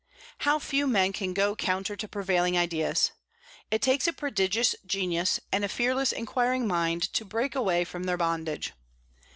How few men can go counter to prevailing ideas! It takes a prodigious genius, and a fearless, inquiring mind, to break away from their bondage.